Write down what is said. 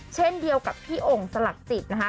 เช่นเดียวกับพี่โอ่งสลักจิตนะคะ